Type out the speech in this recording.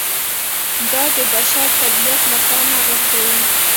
دا د بشر طبیعت له پامه غورځوي